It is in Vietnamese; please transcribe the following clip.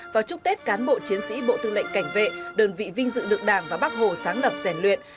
vào chúc tết cán bộ chiến sĩ bộ tư lệnh cảnh vệ đơn vị vinh dự được đảng và bác hồ sáng lập rèn luyện